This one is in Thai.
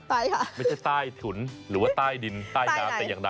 ใต้ค่ะไม่ใช่ใต้ถุนหรือว่าใต้ดินใต้น้ำแต่อย่างใด